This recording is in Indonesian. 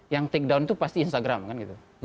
yang takut itu pasti instagram kan gitu